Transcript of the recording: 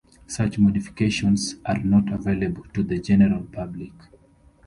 Such modifications are not available to the general public.